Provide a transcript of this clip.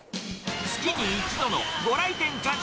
月に一度のご来店感謝